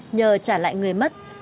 nhờ trả lại người mất